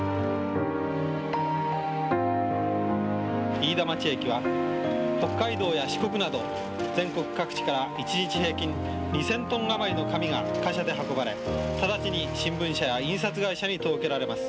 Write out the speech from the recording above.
飯田町駅は北海道や四国など全国各地から一日平均２０００トン余りの紙が貨車で運ばれ、直ちに新聞社や印刷会社に届けられます。